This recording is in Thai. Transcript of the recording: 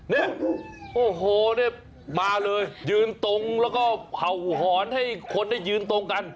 เนี่ยโอ้โหเนี่ยมาเลยยืนตรงแล้วก็เผ่าหอนให้คนได้ยืนตรงกัน